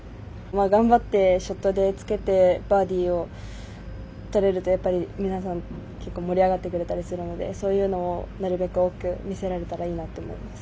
頑張ってショットでつけてバーディーをとれるとやっぱり、皆さん結構盛り上がってくれたりするのでそういうのをなるべく多く見せられたらいいなと思います。